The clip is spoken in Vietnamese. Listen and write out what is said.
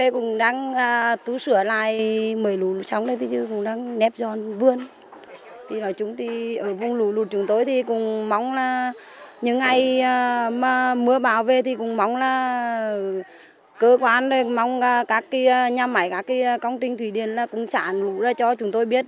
khi mưa bão về thì cũng mong là cơ quan mong các nhà máy các công trình thủy điện cũng sản lũ ra cho chúng tôi biết